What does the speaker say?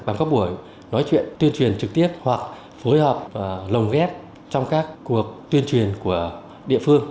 bằng các buổi nói chuyện tuyên truyền trực tiếp hoặc phối hợp lồng ghép trong các cuộc tuyên truyền của địa phương